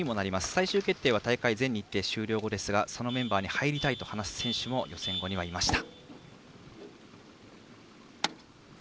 最終決定は大会全日程終了後ですがそのメンバーに入りたいと話す選手も予選後にはいました。